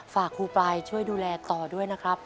ฝากครูปลายช่วยดูแลต่อด้วยนะครับ